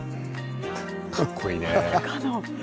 かっこいいね。